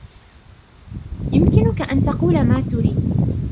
يُمكِنَك أن تقول ما تريد.